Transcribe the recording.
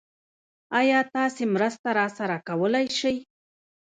ايا تاسې مرسته راسره کولی شئ؟